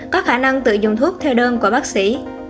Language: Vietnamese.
có khả năng tự dùng thuốc theo đơn của bác sĩ